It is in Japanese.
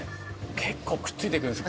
結構くっついてくるんです。